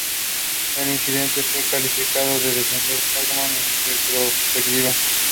He increased the number of parishes in the industrial towns of the coalfields.